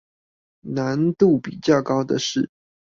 難度比較高的是